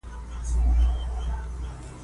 ترڅو ځیږ مواد یې د رنګ په ترکیب کې شامل نه شي.